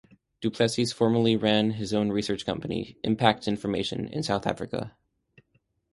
Du Plessis formerly ran his own research company, Impact Information, in South Africa.